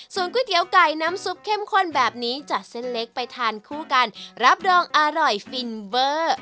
ก๋วยเตี๋ยวไก่น้ำซุปเข้มข้นแบบนี้จากเส้นเล็กไปทานคู่กันรับรองอร่อยฟินเวอร์